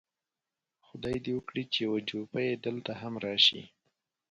خدای دې وکړي چې یو جوپه یې دلته هم راشي.